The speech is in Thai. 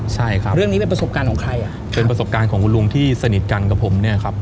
ใช่ครับเรื่องนี้เป็นประสบการณ์ของใครอ่ะเป็นประสบการณ์ของคุณลุงที่สนิทกันกับผมเนี่ยครับ